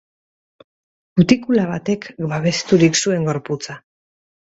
Kutikula batek babesturik zuen gorputza.